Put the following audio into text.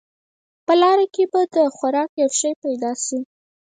په لاره کې به د خوراک یو شی پیدا شي.